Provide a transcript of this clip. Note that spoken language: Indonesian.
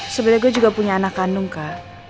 sebenarnya gue juga punya anak kandung kak